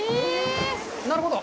なるほど。